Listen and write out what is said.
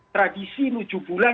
tradisi tujuh bulan